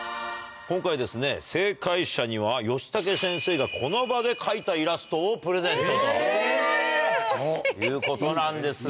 今回正解者にはヨシタケ先生がこの場で描いたイラストをプレゼントということなんですね。